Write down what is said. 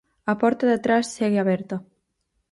"A porta de atrás segue aberta".